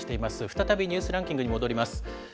再びニュースランキングに戻ります。